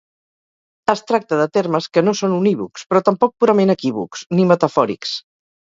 Es tracta de termes que no són unívocs, però tampoc purament equívocs, ni metafòrics.